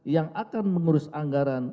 yang akan mengurus anggaran